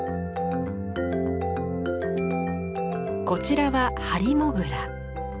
こちらはハリモグラ。